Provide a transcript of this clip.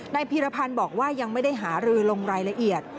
พีรพันธ์บอกว่ายังไม่ได้หารือลงรายละเอียด